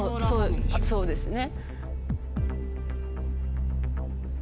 そうですね。